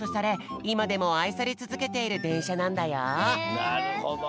なるほど。